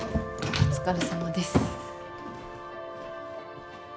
お疲れさまです。